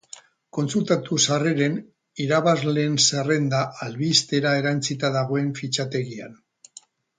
Kontsultatu sarreren irabazleen zerrenda albistera erantsita dagoen fitxategian.